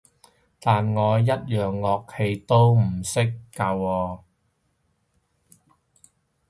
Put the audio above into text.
但我一樣樂器都唔識㗎喎